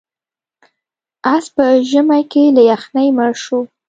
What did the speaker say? اس په ژمي کې له یخنۍ مړ شو.